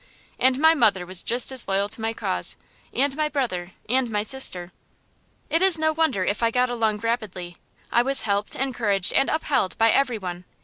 And my mother was just as loyal to my cause, and my brother, and my sister. It is no wonder if I got along rapidly: I was helped, encouraged, and upheld by every one.